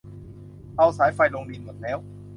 เอาสายไฟลงดินหมดแล้ว